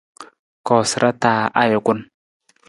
Koosara taa ajukun.